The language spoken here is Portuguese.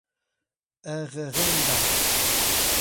Ararendá